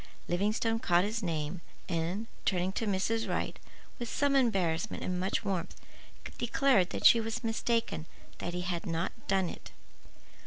Livingstone caught his name and, turning to Mrs. Wright, with some embarrassment and much warmth, declared that she was mistaken, that he had not done it.